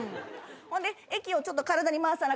ほんで液をちょっと体に回さなあ